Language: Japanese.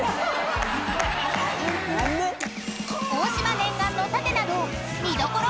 ［大島念願の殺陣など見どころ